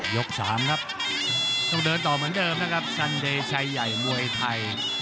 ๓ครับต้องเดินต่อเหมือนเดิมนะครับสันเดชัยใหญ่มวยไทย